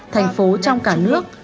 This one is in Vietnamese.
thành phố trong cả nước